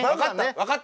分かった。